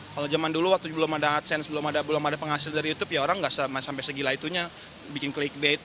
kalau zaman dulu waktu belum ada adsense belum ada penghasil dari youtube ya orang nggak sampai segila itunya bikin clickbait